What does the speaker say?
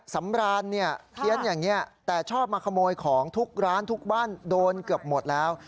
สำรานเนี่ยเพี้ยนอย่างนี้แต่ชอบมาขโมยของทุกร้านทุกบ้านโดนเกือบหมดแล้ว